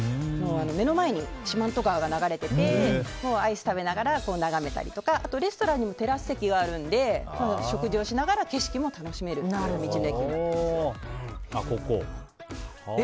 目の前に四万十川が流れていてアイス食べながら眺めたりとかレストランにもテラス席があるので食事をしながら景色も楽しめるっていう道の駅になっています。